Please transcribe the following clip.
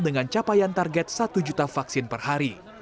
dengan capaian target satu juta vaksin per hari